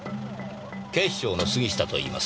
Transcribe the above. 警視庁の杉下といいます。